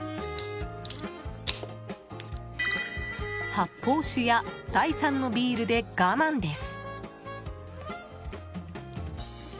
発泡酒や第三のビールで我慢です。